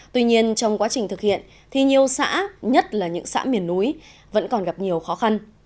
tuy nhiên trong quá trình thực hiện thì nhiều xã nhất là những xã miền núi vẫn còn gặp nhiều khó khăn